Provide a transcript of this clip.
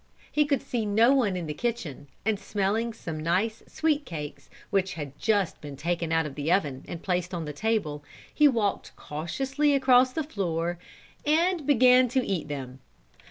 He could see no one in the kitchen, and smelling some nice sweet cakes, which had just been taken out of the oven and placed on the table, he walked cautiously across the floor and began to eat them.